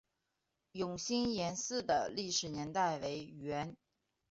永兴岩寺的历史年代为元。